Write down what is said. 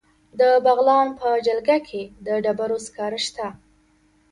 د بغلان په جلګه کې د ډبرو سکاره شته.